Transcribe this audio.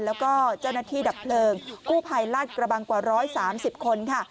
แล้วก็เจ้าหน้าที่ดับเพลิงกู้ภัยลาดกระบังกว่า๑๓๐คนค่ะ